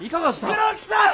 黒木さん！